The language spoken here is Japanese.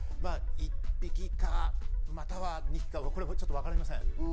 １匹かまたは２匹かちょっとわかりません。